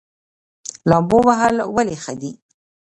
لامبو وهل ولې ښه دي؟